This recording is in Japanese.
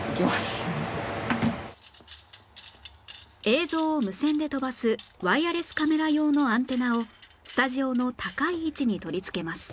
映像を無線で飛ばすワイヤレスカメラ用のアンテナをスタジオの高い位置に取りつけます